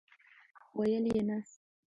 ویل یې، نه!!!